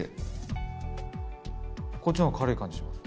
こっちのほうが軽い感じします。